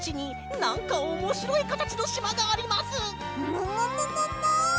ももももも！